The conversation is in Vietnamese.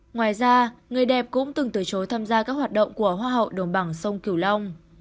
ngoài ra người đẹp cũng từng từ chối tham gia các hoạt động của hoa hậu đồng bằng sông cửu long